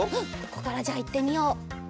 ここからじゃあいってみよう。